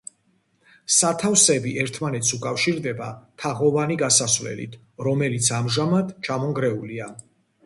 სათავსები ერთმანეთს უკავშირდება თაღოვანი გასასვლელით, რომელიც ამჟამად ჩამონგრეულია.